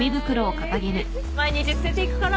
毎日捨てていくから？